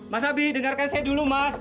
mas abi dengarkan saya dulu mas